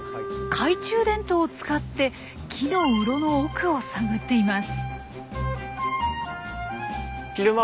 懐中電灯を使って木の洞の奥を探っています。